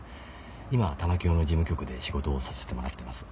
今は玉響の事務局で仕事をさせてもらってます。